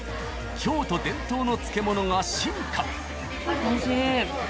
京都伝統の漬物が進化。